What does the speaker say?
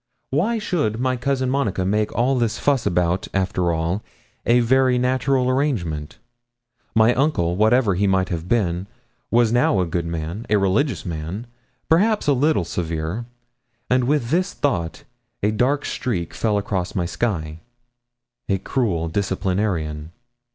Why should my cousin Monica make all this fuss about, after all, a very natural arrangement? My uncle, whatever he might have been, was now a good man a religious man perhaps a little severe; and with this thought a dark streak fell across my sky. A cruel disciplinarian!